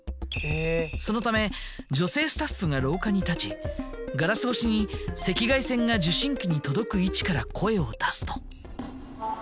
そのため女性スタッフが廊下に立ちガラス越しに赤外線が受信器に届く位置から声を出すと。